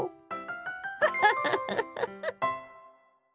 フフフフフ。